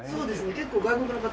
結構外国の方。